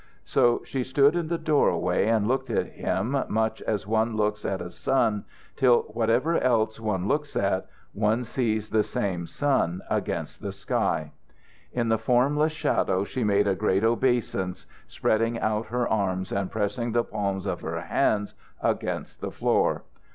So she stood in the doorway and looked at him much as one looks at a sun, till wherever else one looks, one sees the same sun against the sky. In the formless shadow she made a great obeisance, spreading out her arms and pressing the palms of her hands against the floor.